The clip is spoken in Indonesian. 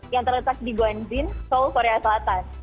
yang terletak di gonzine seoul korea selatan